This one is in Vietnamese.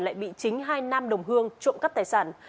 lại bị chính hai nam đồng hương trộm cắp tài sản